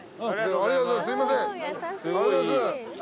ありがとうございます。